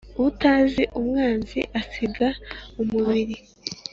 Utazi umwanzi asiga umubiri.